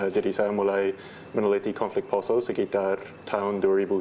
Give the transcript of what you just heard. jadi saya mulai meneliti konflik poso sekitar tahun dua ribu satu